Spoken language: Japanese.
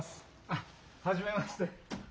あっはじめまして。